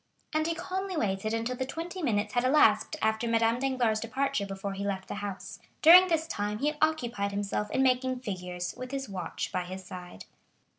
And he calmly waited until the twenty minutes had elapsed after Madame Danglars' departure before he left the house. During this time he occupied himself in making figures, with his watch by his side.